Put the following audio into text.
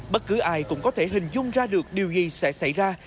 bất cứ ai cũng có thể hình dung ra được điều gì sẽ xảy ra